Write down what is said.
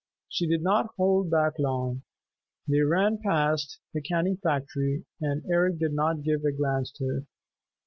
She did not hold back long. They ran past the canning factory, and Eric did not give a glance to it.